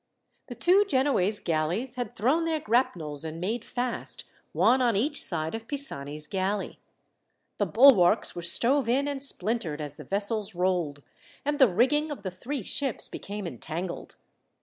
The two Genoese galleys had thrown their grapnels and made fast, one on each side of Pisani's galley. The bulwarks were stove in and splintered as the vessels rolled, and the rigging of the three ships became entangled.